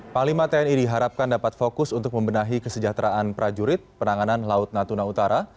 panglima tni diharapkan dapat fokus untuk membenahi kesejahteraan prajurit penanganan laut natuna utara